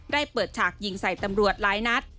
ได้เปิดฉากยิงใส่ตำรวจหลายนัด